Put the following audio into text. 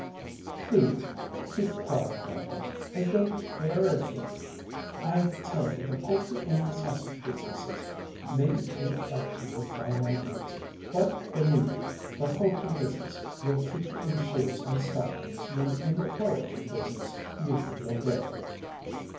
"Please, mamma, keep quiet about him. I don't care if he " "I tell you the poultry and the sausage business maybe ain't up to your fine ideas; but believe me, the poultry business will keep you in shoes and stockings when in the poetry business you can go barefoot."